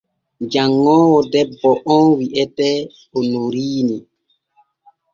Janŋoowo debbo on wi’etee Onoriini.